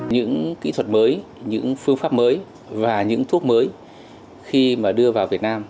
những kỹ thuật mới những phương pháp mới và những thuốc mới khi mà đưa vào việt nam